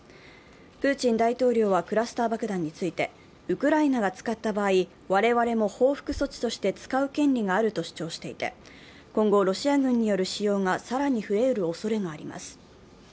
プーチン大統領はクラスター爆弾についてウクライナが使った場合、我々も報復措置として使う権利があると主張していて、今後、ロシア軍による使用が更に増えるおそれがあります。